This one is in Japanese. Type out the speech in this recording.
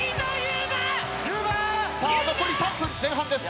さあ残り３分前半です。